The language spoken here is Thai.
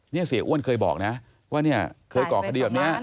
นี่เสียอ้วนเคยบอกนะว่าเนี่ยเคยก่อคดีแบบนี้